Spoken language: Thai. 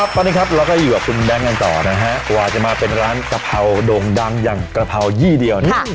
ตอนนี้ครับเราก็อยู่กับคุณแบงค์กันต่อนะฮะกว่าจะมาเป็นร้านกะเพราโด่งดังอย่างกระเพรายี่เดียวเนี่ย